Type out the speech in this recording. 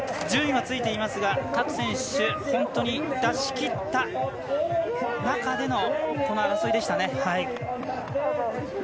順位はついていますが各選手、本当に出し切った中でのこの争いでしたね。